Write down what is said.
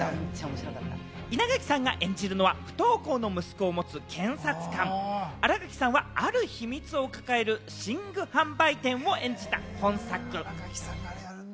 稲垣さんが演じるのは、不登校の息子を持つ検察官、新垣さんはある秘密を抱える寝具販売員を演じた今作。